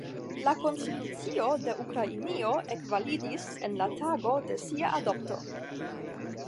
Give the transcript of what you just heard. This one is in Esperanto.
La Konstitucio de Ukrainio ekvalidis en la tago de sia adopto.